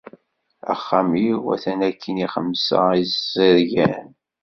Axxam-iw atan akkin i xemsa izergan.